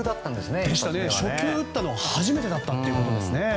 初球を打ったのは初めてだったんですね。